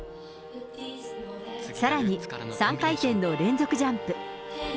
さらに、３回転の連続ジャンプ。